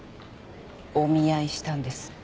お見合いしたんですって。